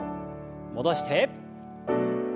戻して。